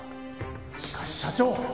しかし社長！